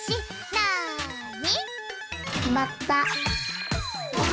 なに？